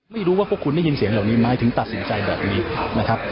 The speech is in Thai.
ไม่รู้ว่าพวกคุณได้ยินเสียงเหล่านี้ไหมถึงตัดสินใจแบบนี้นะครับ